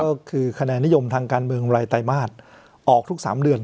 ก็คือคะแนนนิยมทางการเมืองรายไตรมาสออกทุก๓เดือน